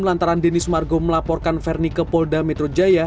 lantaran denny sumargo melaporkan ferdi ke polda metro jaya